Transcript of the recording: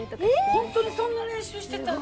本当にそんな練習してたんだ。